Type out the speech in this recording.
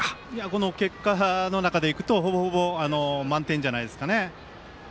この結果の中でいくとほぼほぼ満点じゃないですかね。